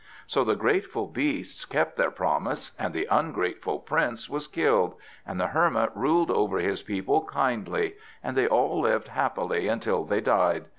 So the grateful beasts kept their promise, and the ungrateful Prince was killed, and the Hermit ruled over his people kindly, and they all lived happily until they died.